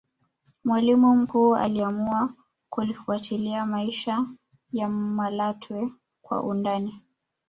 mwalimu mkuu aliamua kulifuatilia maisha ya malatwe kwa undani